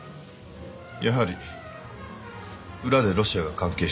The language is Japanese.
やはり裏でロシアが関係しているとか？